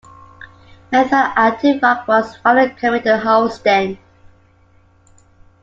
Many thought Active Rock was finally coming to Houston.